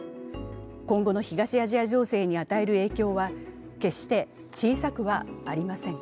今後の東アジア情勢に与える影響は、決して小さくはありません。